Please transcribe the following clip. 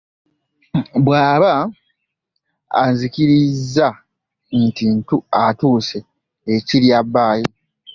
Bwaba azikiriza nti atuuse ekirya baayi .